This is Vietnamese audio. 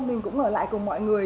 mình cũng ở lại cùng mọi người